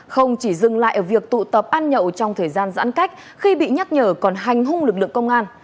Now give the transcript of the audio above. không chỉ dừng lại ở việc tụ tập ăn nhậu trong thời gian giãn cách khi bị nhắc nhở còn hành hung lực lượng công an